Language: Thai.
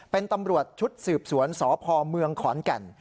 เป็นตำรวจชุดสืบสวนสพเมืองขอนแก่น